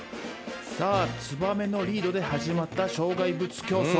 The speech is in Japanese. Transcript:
さあツバメのリードで始まった障害物競走。